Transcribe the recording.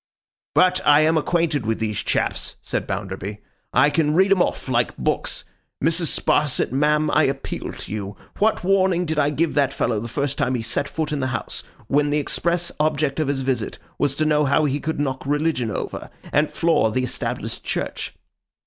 'But I am acquainted with these chaps,' said Bounderby. 'I can read 'em off, like books. Mrs. Sparsit, ma'am, I appeal to you. What warning did I give that fellow, the first time he set foot in the house, when the express object of his visit was to know how he could knock Religion over, and floor the Established Church?